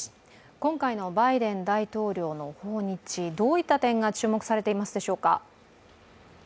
今回のバイデン大統領の訪日、どういった点が注目されていますでしょうか。